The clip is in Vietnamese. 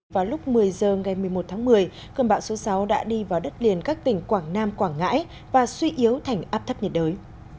vào lúc một mươi h ngày một mươi một tháng một mươi cơn bão số sáu đã đi vào đất liền các tỉnh quảng nam quảng ngãi và suy yếu thành áp thấp nhiệt đới